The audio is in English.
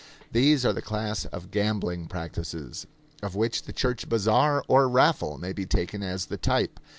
These are the class of gambling practices of which the church bazaar or raffle may be taken as the type.